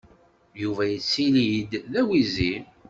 Yuba yettili-d d awizi.